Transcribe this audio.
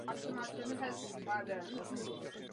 Narodil se irské matce a švédskému otci.